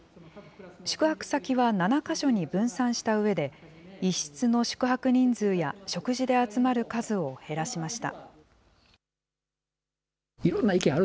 宿泊先は７か所に分散したうえで、１室の宿泊人数や、食事で集まる数を減らしました。